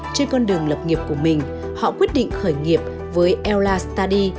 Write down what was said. trên con đường lập nghiệp của mình họ quyết định khởi nghiệp với eula study